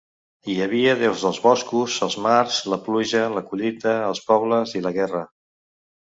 Hi havia déus dels boscos, els mars, la pluja, la collita, els pobles i la guerra.